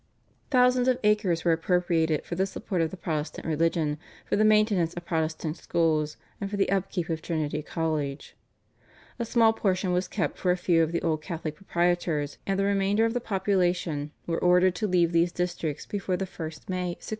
Thousands of acres were appropriated for the support of the Protestant religion, for the maintenance of Protestant schools, and for the upkeep of Trinity College. A small portion was kept for a few of the old Catholic proprietors, and the remainder of the population were ordered to leave these districts before the 1st May 1609.